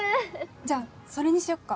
じゃあそれにしよっか